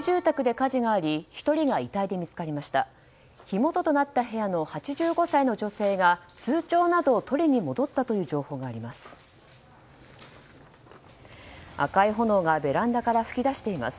火元となった部屋の８５歳の女性が通帳などを取りに戻ったという情報があります。